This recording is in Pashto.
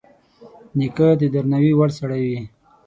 نیکه د درناوي وړ سړی وي.